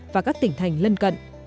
và các tỉnh thành lân cận